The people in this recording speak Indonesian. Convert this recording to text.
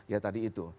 ya tadi itu